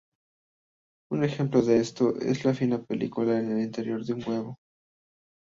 Un ejemplo de esto es la fina película en el interior de un huevo.